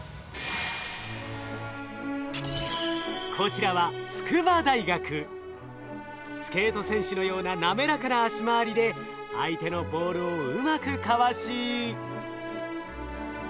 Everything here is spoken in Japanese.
こちらはスケート選手のような滑らかな足回りで相手のボールをうまくかわし。